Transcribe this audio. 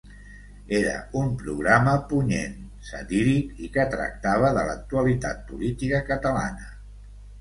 Era un programa punyent, satíric i que tractava de l’actualitat política catalana.